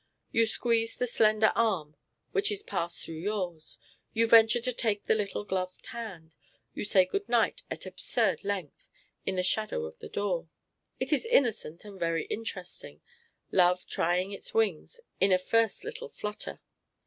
You squeeze the slender arm which is passed through yours, you venture to take the little gloved hand, you say good night at absurd length in the shadow of the door. It is innocent and very interesting, love trying his wings in a first little flutter.